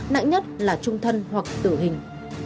nặng nhất là trung thân hoặc tử hình